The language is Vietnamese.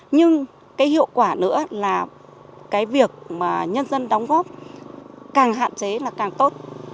nhưng cái hiệu quả nữa là cái việc mà nhân dân đóng góp càng hạn chế là càng tốt